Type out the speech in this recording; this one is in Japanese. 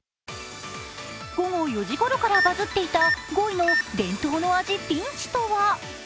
午後４時ごろからバズっていた５位の伝統の味ピンチとは？